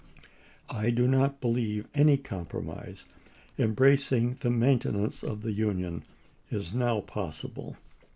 I do not believe any compromise embracing the main tenance of the Union is now possible.